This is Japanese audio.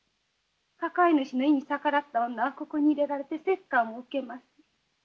抱え主の意に逆らった女はここに入れられて折檻を受けます。